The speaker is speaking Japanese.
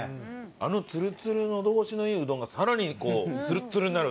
あのツルツルのどごしのいいうどんがさらにこうツルッツルになる。